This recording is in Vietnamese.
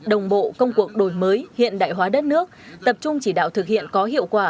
đồng bộ công cuộc đổi mới hiện đại hóa đất nước tập trung chỉ đạo thực hiện có hiệu quả